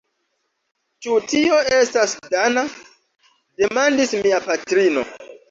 Ĉu tio estas dana? demandis mia patrino.